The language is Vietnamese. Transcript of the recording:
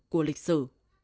của lịch sử